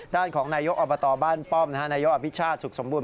ด้านของนายโยคอับประตอบ้านป้อมนะฮะนายโยคอภิชาสุขสมบูรณ์